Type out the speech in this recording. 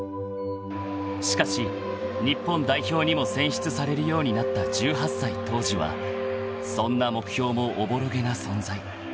［しかし日本代表にも選出されるようになった１８歳当時はそんな目標もおぼろげな存在］